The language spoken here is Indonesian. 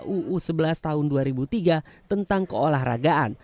uu sebelas tahun dua ribu tiga tentang keolahragaan